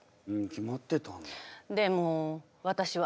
決まってたんだ。